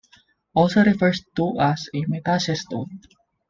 Also referred to as a metacestode.